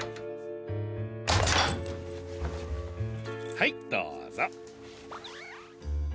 はいどうぞ。